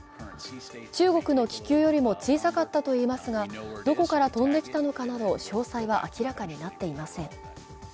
中国の気球よりも小さかったといいますが、どこから飛んできたのかなど詳細は明らかになっていません。